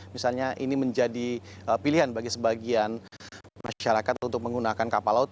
misalnya ini menjadi pilihan bagi sebagian masyarakat untuk menggunakan kapal laut